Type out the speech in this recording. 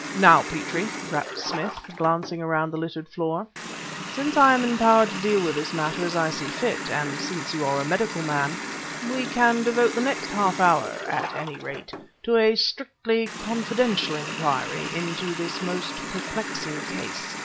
"Now, Petrie," rapped Smith, glancing around the littered floor, "since I am empowered to deal with this matter as I see fit, and since you are a medical man, we can devote the next half hour, at any rate, to a strictly confidential inquiry into this most perplexing case.